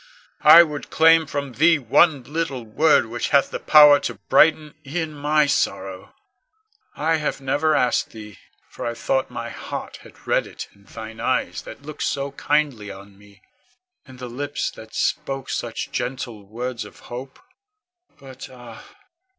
I would claim from thee one little word which hath the power to brighten e'en my sorrow. I have never asked thee, for I thought my heart had read it in thine eyes that looked so kindly on me; in the lips that spoke such gentle words of hope. But ah!